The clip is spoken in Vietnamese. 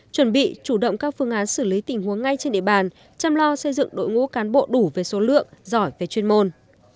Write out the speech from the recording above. chuẩn bị chủ động các phương án xử lý tình huống ngay trên địa bàn chăm lo xây dựng đội ngũ cán bộ đủ về số lượng giỏi về chuyên môn